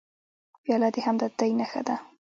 پیاله د همدردۍ نښه ده.